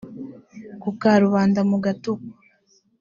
ku karubanda mugatukwa